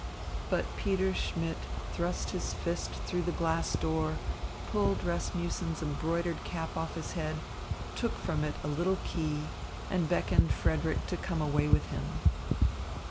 But Peter Schmidt thrust his fist through the glass door, pulled Rasmussen's embroidered cap off his head, took from it a little key, and beckoned Frederick to come away with him.